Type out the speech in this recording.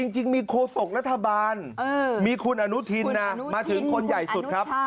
จริงมีโคศกรัฐบาลมีคุณอนุทินนะมาถึงคนใหญ่สุดครับ